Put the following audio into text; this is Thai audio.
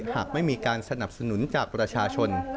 หากไม่มีการสนับสนุนจากประชาชน